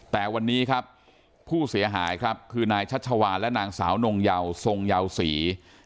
แต่วันนี้ครับผู้เสียหายครับคือนายชัชวานและนางสาวนงเยาทรงเยาวศรี